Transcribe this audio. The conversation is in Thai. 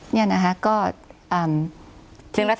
เรื่องรัฐมนูลใช่ไหม